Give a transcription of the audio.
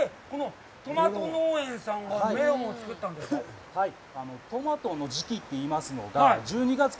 とまと農園さんがメロンを作ったんですか。